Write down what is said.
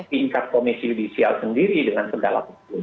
diingkat komisi judicial sendiri dengan segala keputusan